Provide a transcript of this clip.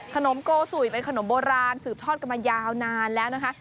โกสุยเป็นขนมโบราณสืบทอดกันมายาวนานแล้วนะคะ